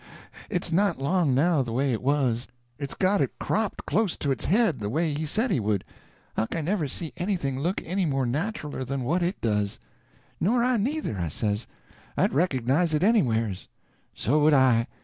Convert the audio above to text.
It's not long now the way it was: it's got it cropped close to its head, the way he said he would. Huck, I never see anything look any more naturaler than what It does." "Nor I neither," I says; "I'd recognize it anywheres." "So would I.